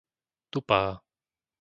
Tupá